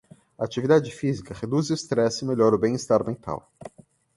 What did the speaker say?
A atividade física reduz o estresse e melhora o bem-estar mental.